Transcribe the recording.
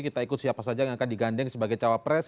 kita ikut siapa saja yang akan digandeng sebagai cawapres